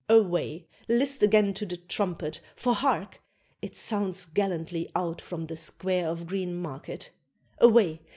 Away! list again to the trumpet, for hark! it Sounds gallantly out from the square of Greenmarket. Away!